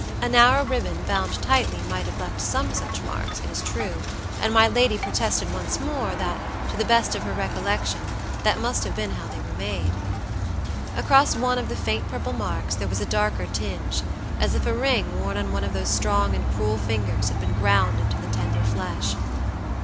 A narrow ribbon, bound tightly, might have left some such marks, it is true, and my lady protested once more that, to the best of her recollection, that must have been how they were made. Across one of the faint purple marks there was a darker tinge, as if a ring worn on one of those strong and cruel fingers had been ground into the tender flesh.